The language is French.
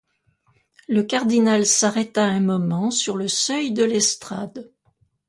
Le cardinal s'arrêta un moment sur le seuil de l'estrade.